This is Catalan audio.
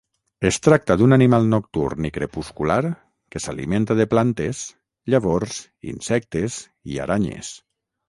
Es tracta d'un animal nocturn i crepuscular que s'alimenta de plantes, llavors, insectes i aranyes.